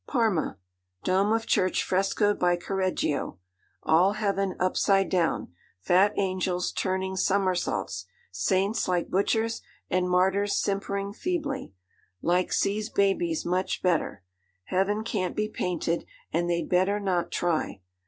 'Parma. Dome of church frescoed by Correggio. All heaven upsidedown; fat angels turning somersaults, saints like butchers, and martyrs simpering feebly. Like C.'s babies much better. Heaven can't be painted, and they'd better not try.